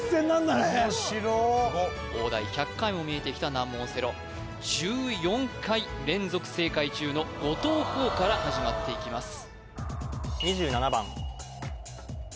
おもしろ大台１００回も見えてきた難問オセロ１４回連続正解中の後藤弘から始まっていきます